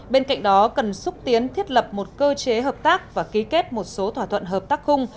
bên cạnh đó cần xúc tiến thiết lập một cơ chế hợp tác và ký kết một số thỏa thuận hợp tác khung